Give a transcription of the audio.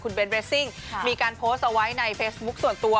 เบนเรสซิ่งมีการโพสต์เอาไว้ในเฟซบุ๊คส่วนตัว